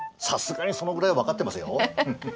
さすがにそのぐらい分かってますよ。